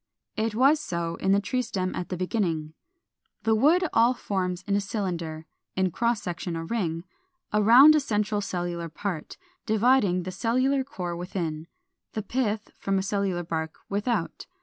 It was so in the tree stem at the beginning. The wood all forms in a cylinder, in cross section a ring around a central cellular part, dividing the cellular core within, the pith, from a cellular bark without.